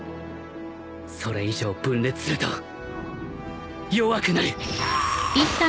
それ以上分裂すると弱くなる！アアガッ。